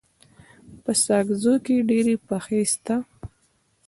په ساکزو کي ډيري پښي سته.